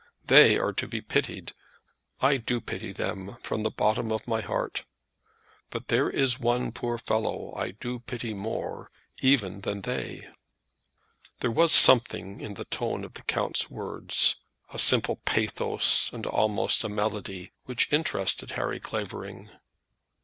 They are to be pitied. I do pity them from the bottom of my heart. But there is one poor fellow I do pity more even than they." There was something in the tone of the count's words, a simple pathos, and almost a melody, which interested Harry Clavering.